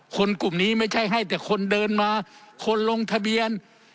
กลุ่มนี้ไม่ใช่ให้แต่คนเดินมาคนลงทะเบียน